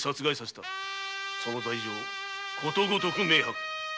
その罪状ことごとく明白。